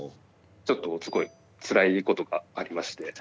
ちょっとすごいつらいことがありまして。